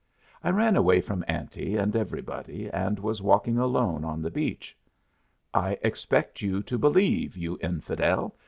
I ran away from Auntie and everybody and was walking alone on the beach. I expect you to believe, you infidel!